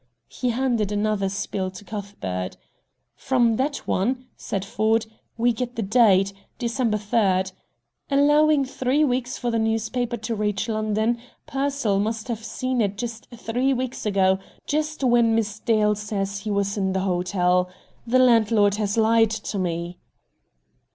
He handed another spill to Cuthbert. "From that one," said Ford, "we get the date, December 3. Allowing three weeks for the newspaper to reach London, Pearsall must have seen it just three weeks ago, just when Miss Dale says he was in the hotel. The landlord has lied to me."